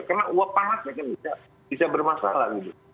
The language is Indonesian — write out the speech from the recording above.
karena uap panasnya kan bisa bermasalah